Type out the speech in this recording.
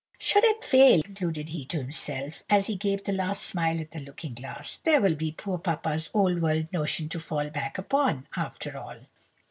"'Should it fail,' concluded he to himself, as he gave the last smile at the looking glass, 'there will be poor papa's old world notion to fall back upon, after all.